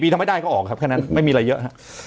ถ้าไม่ได้ก็ออกครับแค่นั้นไม่มีอะไรเยอะฮะ